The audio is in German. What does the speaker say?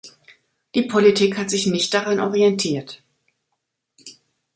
Die Politik hat sich nicht daran orientiert.